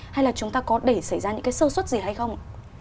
hay là chúng ta có để xảy ra những cái sơ suất gì hay không